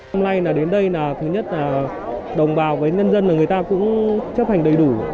hôm nay đến đây thứ nhất là đồng bào với nhân dân là người ta cũng chấp hành đầy đủ